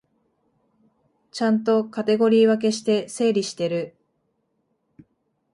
ちゃんとカテゴリー分けして整理してる